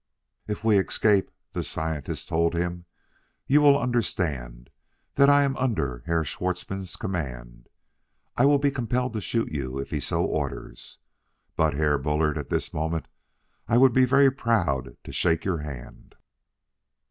"If we escape," the scientist told him, "you will understand that I am under Herr Schwartzmann's command; I will be compelled to shoot you if he so orders. But, Herr Bullard, at this moment I would be very proud to shake your hand."